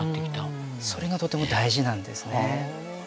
それがとても大事なんですね。